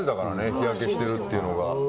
日焼けしているというのが。